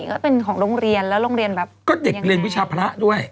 ก็เป็นของโรงเรียนแล้วโรงเรียนแบบก็เด็กเรียนวิชาพระด้วย